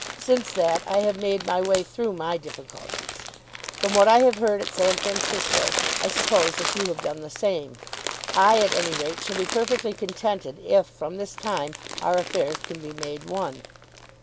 Since that I have made my way through my difficulties. From what I have heard at San Francisco I suppose that you have done the same. I at any rate shall be perfectly contented if from this time our affairs can be made one.